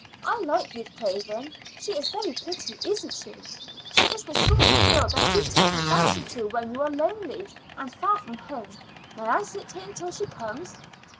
I like Ruth Craven. She is very pretty, isn't she? She is the sort of girl that you'd take a fancy to when you're lonely and far from home. May I sit here until she comes?"